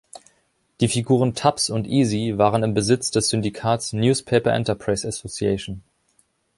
Die Figuren Tubbs und Easy waren im Besitz des Syndikats „Newspaper Enterprise Association“.